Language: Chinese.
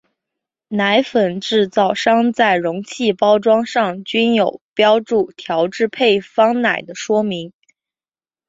奶粉制造商在容器包装上均有标注调制配方奶的说明。